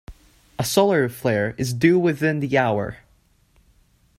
A solar flare is due within the hour.